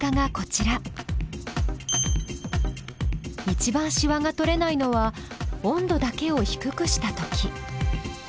いちばんしわが取れないのは温度だけを低くした時。